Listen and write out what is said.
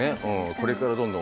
これからどんどん。